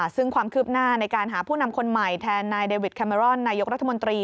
ซึ่งความคืบหน้าในการหาผู้นำคนใหม่แทนนายเดวิดแคเมรอนนายกรัฐมนตรี